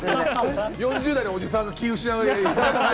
４０代のおじさんが気を失うの。